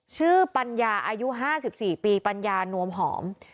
ชื่อปัญญาอายุห้าสิบสี่ปีปัญญานวมหอม